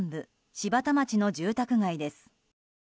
柴田町の住宅街です。